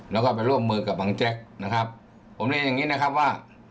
แล้วก็ไปร่วมมือกับบังแจ๊กนะครับผมเรียนอย่างงี้นะครับว่า